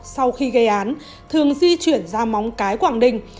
sau khi gây án thường di chuyển ra móng cái quảng đình